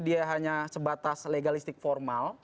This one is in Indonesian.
dia hanya sebatas legalistik formal